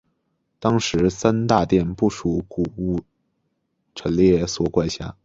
当时三大殿不属古物陈列所管辖。